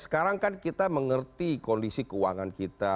sekarang kan kita mengerti kondisi keuangan kita